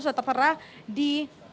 sudah terperah di